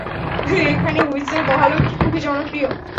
এখানে হুঁইসেল মহালক্ষী খুবই জনপ্রিয়।